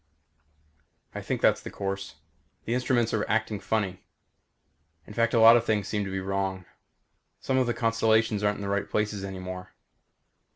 I think that's the course. The instruments are acting funny. In fact a lot of things seem to be wrong. Some of the constellations aren't in the right places anymore.